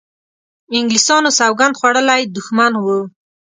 انګلیسیانو سوګند خوړولی دښمن وو.